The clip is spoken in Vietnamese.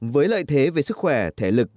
với lợi thế về sức khỏe thể lực